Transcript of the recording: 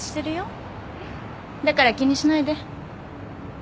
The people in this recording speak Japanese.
だから気にしないで。